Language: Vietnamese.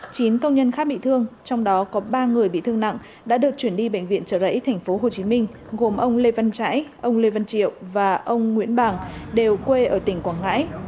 chín công nhân khác bị thương trong đó có ba người bị thương nặng đã được chuyển đi bệnh viện trở rẫy thành phố hồ chí minh gồm ông lê văn trãi ông lê văn triệu và ông nguyễn bàng đều quê ở tỉnh quảng ngãi